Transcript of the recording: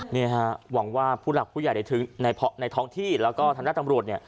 นี่ฮะหวังว่าผู้หลักผู้ใหญ่ในท้องที่แล้วก็ธรรมดาตำรวจ